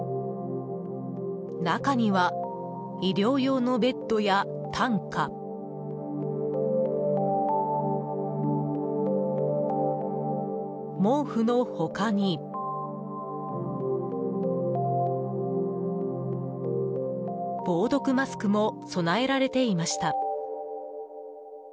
中には、医療用のベッドや担架毛布の他に防毒マスクも備えられていました。